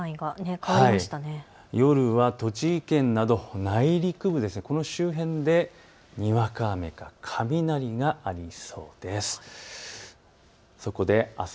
夜は栃木県など内陸部、この周辺でにわか雨か雷がありそうです。